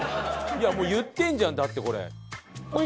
いやもう言ってんじゃんだってこれ。